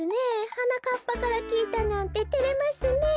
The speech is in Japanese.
はなかっぱからきいたなんててれますねえ。